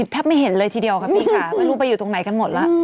แทบไม่เห็นเลยทีเดียวค่ะพี่ค่ะไม่รู้ไปอยู่ตรงไหนกันหมดแล้ว